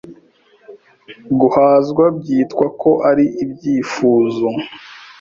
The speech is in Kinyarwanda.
Guhazwa byitwa ko ari ibyifuzo